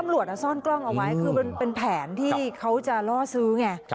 กำลัวจะซ่อนกล้องเอาไว้คือเป็นแผนที่เขาจะล่อซื้อ